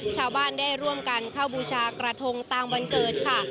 ชาวบ้านได้ร่วมกันเข้าบูชากระทงตามวันเกิดค่ะ